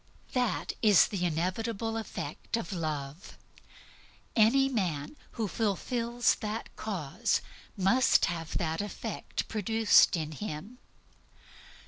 That is the inevitable effect of Love. Any man who fulfills that cause must have that effect produced in him.